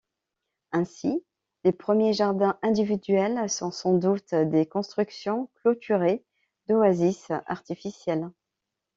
Ainsi, les premiers jardins individuels sont sans doute des constructions clôturées, d'oasis artificielles.